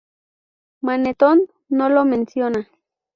Manetón no lo menciona.